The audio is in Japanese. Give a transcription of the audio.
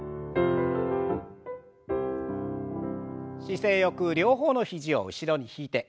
姿勢よく両方の肘を後ろに引いて。